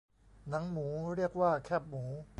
หนังหมูเรียกว่าแคบหมู